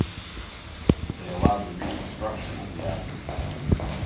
They allowed the reconstruction of the abbey.